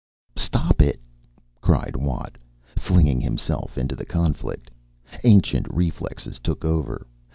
"Stop it!" cried Watt, flinging himself into the conflict. Ancient reflexes took over.